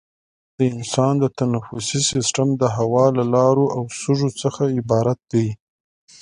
د انسان تنفسي سیستم د هوا له لارو او سږو څخه عبارت دی.